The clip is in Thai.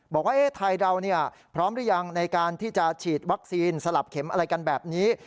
บอกว่าไทยเราพร้อมหรือยังในการที่จะฉีดวัคซีนสลับเข็มอะไรกันแบบนี้